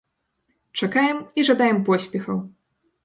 Чакаем і жадаем поспехаў!